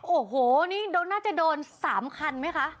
โอ้โหนี่น่าจะโดน๓คันไหมคะ